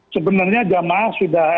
sebenarnya jamaah sudah